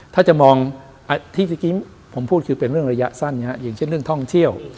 ถ้าจะมองเรื่องท่องเที่ยว